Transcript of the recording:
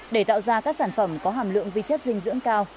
để tạo ra các sản phẩm có hàm lượng vi chất dinh dưỡng cao